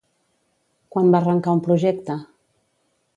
Quan va arrencar un projecte?